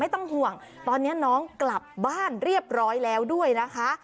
ต้องห่วงตอนนี้น้องกลับบ้านเรียบร้อยแล้วด้วยนะคะ